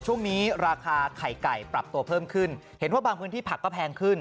ช่วงนี้ราคาไข่ไก่ปรับตัวเพิ่มขึ้นเห็นว่าบางพื้นที่ผักก็แพงขึ้น